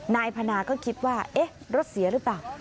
นายพนาก็คิดว่าเอ๊ะรถเสียหรือเปล่า